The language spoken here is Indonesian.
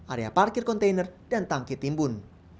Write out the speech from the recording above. area parkir kontainer dan tangki timbun